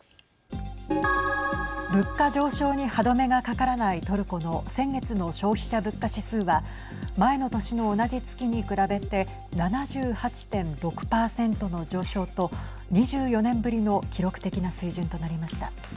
物価上昇に歯止めがかからないトルコの先月の消費者物価指数は前の年の同じ月に比べて７８．６％の上昇と２４年ぶりの記録的な水準となりました。